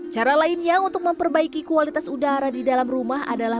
cara lainnya untuk memperbaiki kualitas udara di dalam rumah adalah